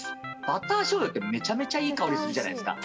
バターしょうゆって、めちゃめちゃいい香りするじゃないですか。